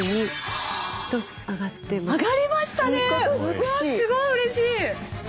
わあすごいうれしい！